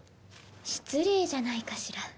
失礼じゃないかしら。